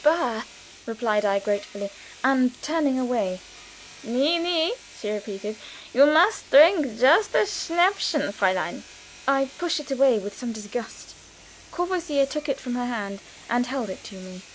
"Bah!" replied I, gratefully, and turning away. "Nie, nie!" she repeated. "You must drink just a Schnäppschen, Fräulein." I pushed it away with some disgust. Courvoisier took it from her hand and held it to me.